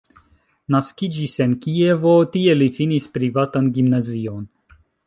Naskiĝis en Kievo, tie li finis privatan gimnazion.